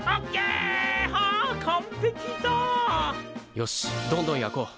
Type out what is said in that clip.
よしどんどん焼こう。